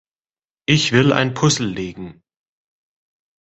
Ich will ein Puzzel legen.